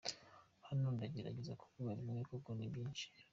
Hano ndagerageza kuvuga bimwe kuko ni byinshi.